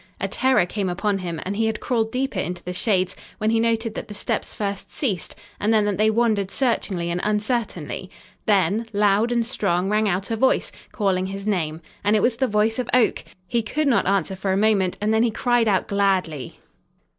A terror came upon him and he had crawled deeper into the shades, when he noted that the steps first ceased, and then that they wandered searchingly and uncertainly. Then, loud and strong, rang out a voice, calling his name, and it was the voice of Oak! He could not answer for a moment, and then he cried out gladly.